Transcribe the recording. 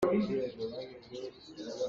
Mi ngong a si.